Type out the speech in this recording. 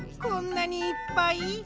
こんなにいっぱい？